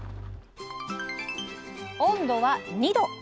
温度は２℃。